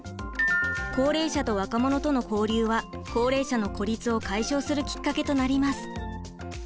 高齢者と若者との交流は高齢者の孤立を解消するきっかけとなります。